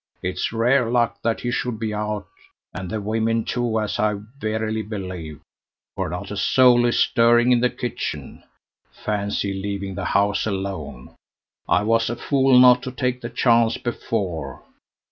It's rare luck that he should be out, and the women too as I verily believe, for not a soul is stirring in the kitchen. Fancy leaving the house alone! I was a fool not to take the chance before."